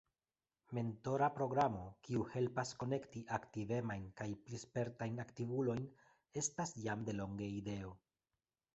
Mentora programo, kio helpas konekti aktivemajn kaj pli spertajn aktivulojn estas jam delonge ideo.